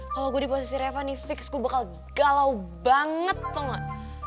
kalo gue di posisi reva nih fix gue bakal galau banget tau gak